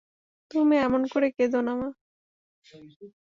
তুমি এমন করে কেঁদো না মা।